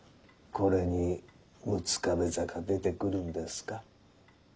これに六壁坂出てくるんですかッ？